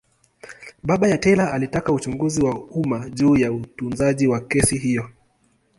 Baba ya Taylor alitaka uchunguzi wa umma juu ya utunzaji wa kesi hiyo.